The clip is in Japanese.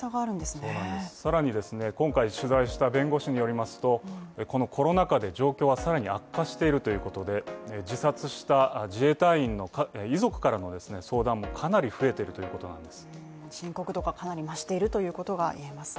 更に今回取材した弁護士によりますと、このコロナ禍で状況は更に悪化しているということなので自殺した自衛隊員の遺族からの相談もかなり増えてきているということなんです